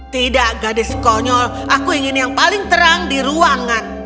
tidak gadis konyol aku ingin yang paling terang di ruangan